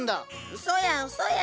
うそやうそや！